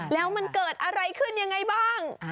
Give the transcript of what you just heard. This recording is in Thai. แล้วมันเกิดอะไรขึ้นยังไงบ้าง